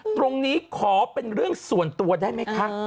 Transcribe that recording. ตรงนี้ขอเป็นเรื่องส่วนตัวได้ไหมคะ